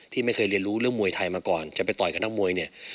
ไม่เคยเรียนรู้เรื่องมวยไทยมาก่อนจะไปต่อยกับนักมวยเนี่ย